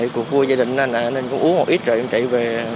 cuộc vui gia đình anh ạ nên cũng uống một ít rồi em chạy về